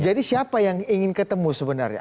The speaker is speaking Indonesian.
siapa yang ingin ketemu sebenarnya